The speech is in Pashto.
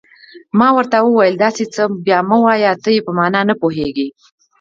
ما ورته وویل: داسې څه بیا مه وایه، ته یې په معنا نه پوهېږې.